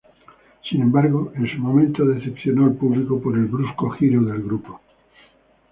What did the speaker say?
Sin embargo, en su momento decepcionó al público por el brusco giro del grupo.